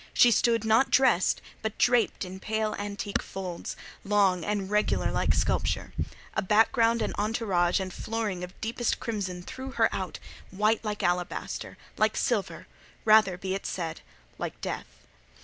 She stood, not dressed, but draped in pale antique folds, long and regular like sculpture. A background and entourage and flooring of deepest crimson threw her out, white like alabaster—like silver: rather, be it said, like Death.